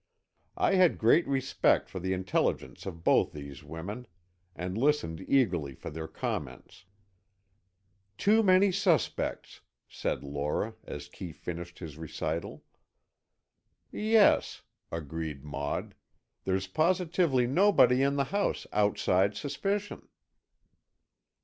I had great respect for the intelligence of both these women, and listened eagerly for their comments. "Too many suspects," said Lora, as Kee finished his recital. "Yes," agreed Maud, "there's positively nobody in the house outside suspicion."